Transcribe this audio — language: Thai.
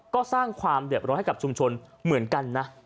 ก็สร้างความเดือบร้อนให้กับชุมชนเหมือนกันนะ